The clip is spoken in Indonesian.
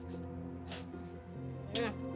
ini dia ibu